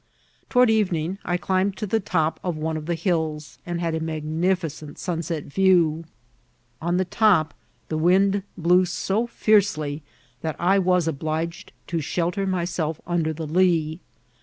Toward ereaing I climbed to the top of one of the hills, and had a magnificent snnsnf view. On the top the wind blew so fiercel j that I was obliged to riielter myself nader the lee.